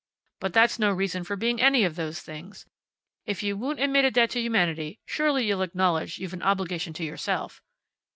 But that's no reason for being any of those things. If you won't admit a debt to humanity, surely you'll acknowledge you've an obligation to yourself."